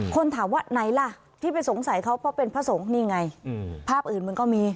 คนถามว่าไหนล่ะที่ไปสงสัยเขาเพราะเป็นพระสงฆ์นี่ไงภาพอื่นมันก็มี